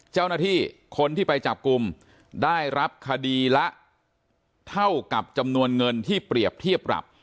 เจ้าหน้าที่คนที่ไปจับกลุ่มได้รับคดีละเท่ากับจำนวนเงินที่เปรียบเทียบปรับ